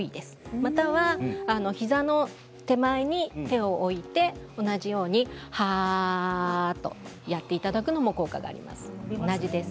または膝の手前に手を置いて同じように、はーっとやっていただくと効果があります。